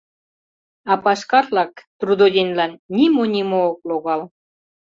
А пашкарлак — трудоденьлан — нимо-нимо ок логал.